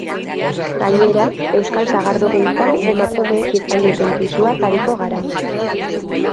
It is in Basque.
Gainera, euskal sagardogintzan emakumeek izan duten pisuaz ariko gara.